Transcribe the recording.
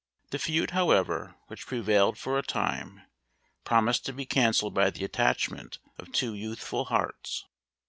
The feud, however, which prevailed for a time, promised to be cancelled by the attachment of two youthful hearts.